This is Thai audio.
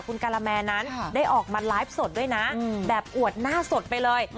คุณการาแมนนั้นได้ออกมาไลฟ์สดด้วยนะแบบอวดหน้าสดไปเลย